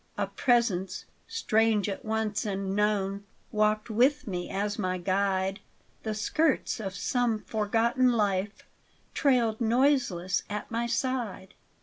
A presence, strange at once and known, Walked with me as my guide; The skirts of some forgotten life Trailed noiseless at my side.